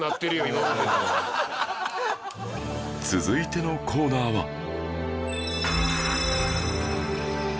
続いてのコーナーは